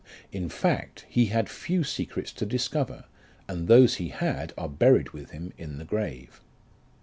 In fact, he had few secrets to discover, and those he had are buried with him in the grave.